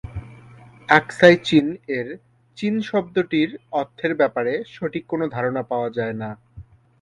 আকসাই চিন- এর "চিন" শব্দটির অর্থের ব্যাপারে সঠিক কোন ধারণা পাওয়া যায়না।